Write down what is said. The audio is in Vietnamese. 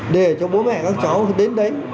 để cho bố mẹ các cháu đến đấy